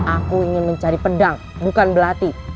aku ingin mencari pedang bukan belati